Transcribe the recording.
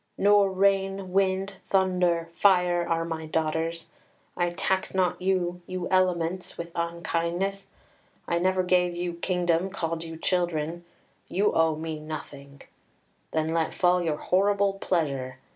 Nor rain, wind, thunder, fire, are my daughters. I tax not you, you elements, with unkindness. I never gave you kingdom, called you children; you owe me nothing; then let fall your horrible pleasure.